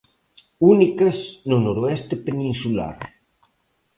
Únicas no noroeste peninsular.